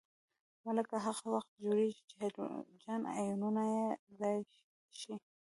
مالګه هغه وخت جوړیږي چې هایدروجن آیونونه بې ځایه شي.